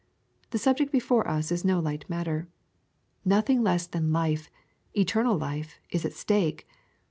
The subject before us is no light matter. Nothing less than life — eternal life — is at stake